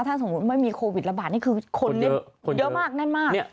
ถ้าสมมุติไม่มีโควิดระบาดนี่คือคนเยอะมากแน่นมาก